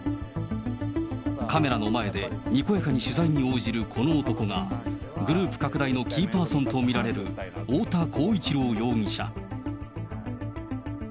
カメラの前でにこやかに取材に応じるこの男が、グループ拡大のキーパーソンと見られる太田浩一朗容疑者。